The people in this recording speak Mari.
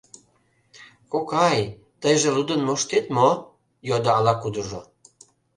— Кокай, тыйже лудын моштет мо? — йодо ала-кудыжо.